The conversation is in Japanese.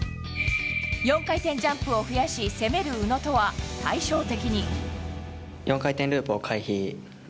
４回転ジャンプを増やし攻める宇野とは対照的に。